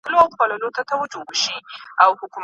خُم ته یو راغلي په دمدار اعتبار مه کوه